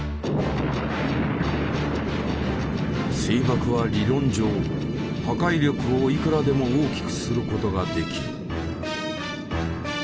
水爆は理論上破壊力をいくらでも大きくすることができる。